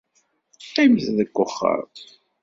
Qqimet deg wexxam.